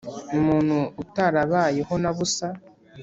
umuntu utarabayeho na busa